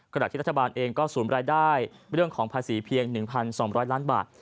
ขณะที่รัฐบาลเองก็ศูนย์รายได้เรื่องของภาษีเพียง๑๒๐๐ล้านบาท